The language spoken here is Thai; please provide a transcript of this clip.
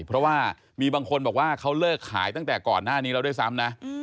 เพราะว่ามีบางคนบอกว่าเขาเลิกขายตั้งแต่ก่อนหน้านี้แล้วด้วยซ้ำนะ